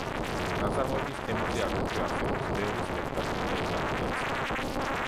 ნაწარმოების თემაზე აგრეთვე არსებობს ბევრი სპექტაკლი და ეკრანიზაცია.